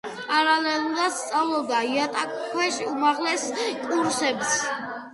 პარალელურად სწავლობდა იატაკქვეშა უმაღლეს კურსებს.